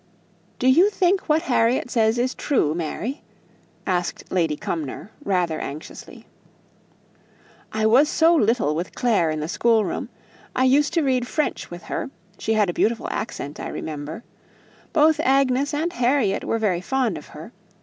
"Do you think what Harriet says is true, Mary?" asked Lady Cumnor, rather anxiously. "I was so little with Clare in the school room. I used to read French with her; she had a beautiful accent, I remember. Both Agnes and Harriet were very fond of her.